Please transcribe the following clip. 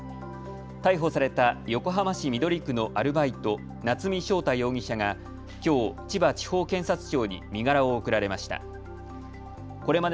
逮捕された横浜市緑区のアルバイト、夏見翔太容疑者がきょう千葉地方検察庁に身柄を送られました。